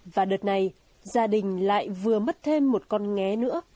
và đợt này gia đình lại vừa mất thêm một con nghé nữa